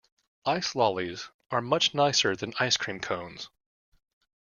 Ice lollies are much nicer than ice cream cones